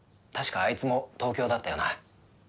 確かあいつも東京だったよな。